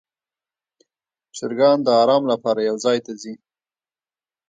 چرګان د آرام لپاره یو ځای ته ځي.